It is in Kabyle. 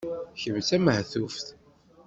Kemm d tamehtuft!